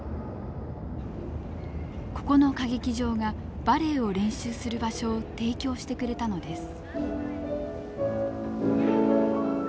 ここの歌劇場がバレエを練習する場所を提供してくれたのです。